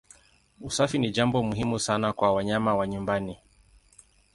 Usafi ni jambo muhimu sana kwa wanyama wa nyumbani.